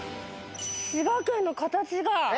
滋賀県の形が。え？